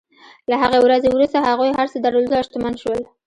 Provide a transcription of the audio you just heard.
له هغې ورځې وروسته هغوی هر څه درلودل او شتمن شول.